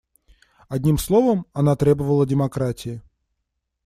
Одним словом, она требовала демократии.